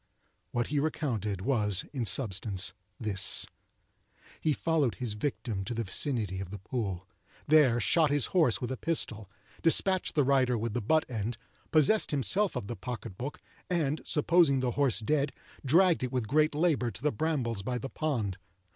What he recounted was in substance this:—He followed his victim to the vicinity of the pool; there shot his horse with a pistol; despatched its rider with the butt end; possessed himself of the pocket book; and, supposing the horse dead, dragged it with great labour to the brambles by the pond.